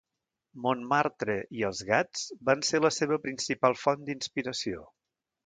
Montmartre i els gats van ser la seva principal font d'inspiració.